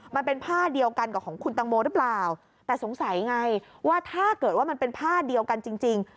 มันเป็นผ้าเดียวกันกับของคุณตังโมหรือเปล่าแต่สงสัยไงว่าถ้าเกิดว่ามันเป็นผ้าเดียวกันจริงจริง